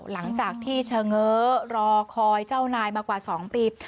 หลังจากที่เฉง้อรอคอยเจ้านายมากว่า๒ปี